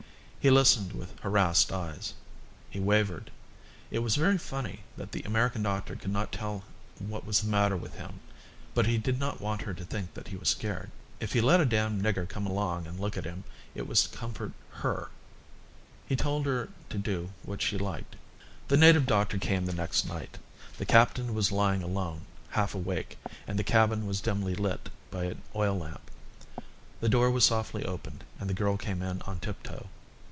He listened with harassed eyes. He wavered. It was very funny that the American doctor could not tell what was the matter with him. But he did not want her to think that he was scared. If he let a damned nigger come along and look at him, it was to comfort her. He told her to do what she liked. The native doctor came the next night. The captain was lying alone, half awake, and the cabin was dimly lit by an oil lamp. The door was softly opened and the girl came in on tip toe.